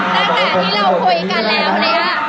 ตั้งแต่ที่เราพูยกันแล้วเลยว่า